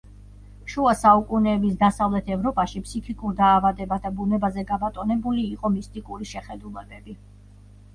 შუა საუკუნეების დასავლეთ ევროპაში ფსიქიკურ დაავადებათა ბუნებაზე გაბატონებული იყო მისტიკური შეხედულებები.